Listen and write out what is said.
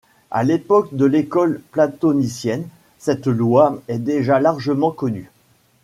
À l'époque de l'école platonicienne, cette loi est déjà largement connue.